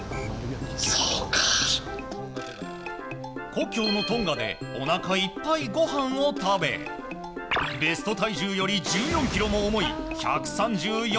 故郷のトンガでおなかいっぱい、ごはんを食べベスト体重より１４ｋｇも重い１３４ｋｇに。